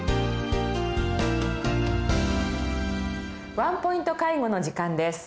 「ワンポイント介護」の時間です。